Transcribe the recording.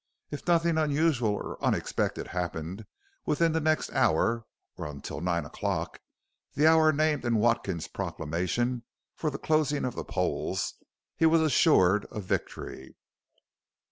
If nothing unusual or unexpected happened within the next hour, or until nine o'clock, the hour named in Watkins's proclamation for the closing of the polls, he was assured of victory.